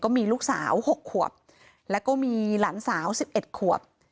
มีลูกสาว๖ขวบแล้วก็มีหลานสาว๑๑ขวบ